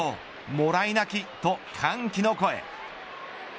もらい泣きと歓喜の声。